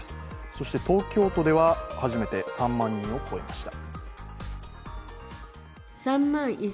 そして東京都では初めて３万人を超えました。